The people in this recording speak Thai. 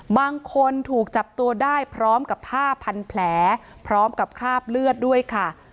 บางคนถูกจับตัวได้พร้อมกับผ้าพันแผลพร้อมกับคราบเลือดด้วยค่ะ